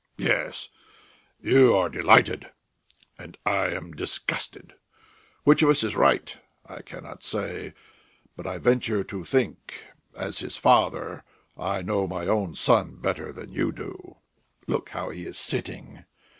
"Yes, you are delighted, and I am disgusted. Which of us is right, I cannot say, but I venture to think as his father, I know my own son better than you do. Look how he is sitting!